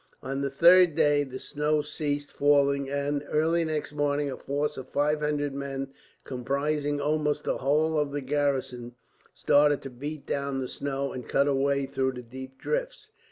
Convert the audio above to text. On the third day the snow ceased falling and, early next morning, a force of 500 men, comprising almost the whole of the garrison, started to beat down the snow, and cut a way through the deep drifts.